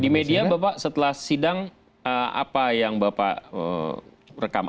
di media bapak setelah sidang apa yang bapak rekam